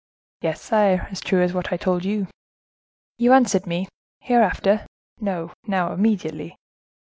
"Yes, sire, as true as what I told you." "You answered me, 'Hereafter! No, now, immediately.